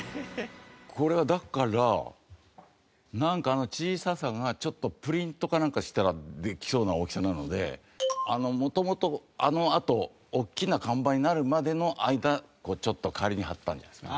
これはだからなんかあの小ささがちょっとプリントかなんかしたらできそうな大きさなので元々あのあと大きな看板になるまでの間ちょっと代わりに貼ったんじゃないですか？